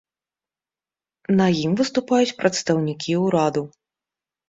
На ім выступаюць прадстаўнікі ўраду.